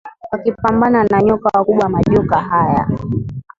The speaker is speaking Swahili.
wakipambana na nyoka wakubwa majoka haya